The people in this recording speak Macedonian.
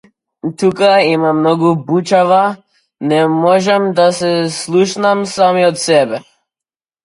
Тука има многу бучава, не можам да се слушнам самиот себе.